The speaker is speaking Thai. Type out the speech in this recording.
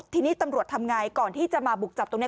ทีนี้ตำรวจทำไงก่อนที่จะมาบุกจับตรงนี้